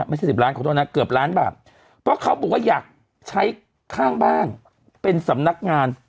สิบล้านขอโทษนะเกือบล้านบาทเพราะเขาบอกว่าอยากใช้ข้างบ้านเป็นสำนักงาน